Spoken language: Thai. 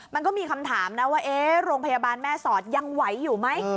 มันก็มีคำถามนะว่าโรงพยาบาลแม่สอดยังไหวอยู่ไหม